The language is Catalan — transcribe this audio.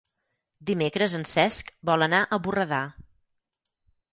Dimecres en Cesc vol anar a Borredà.